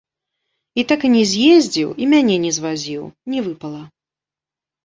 І так і не з'ездзіў і мяне не звазіў, не выпала.